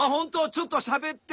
ちょっとしゃべって。